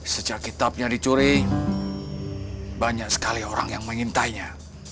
sejak kitabnya dicuri banyak sekali orang yang mengintainya